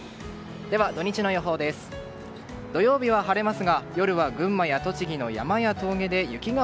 では、土日の予報です。